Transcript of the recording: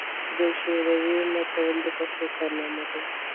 د شوروي ماتول د پښتنو کارنامه ده.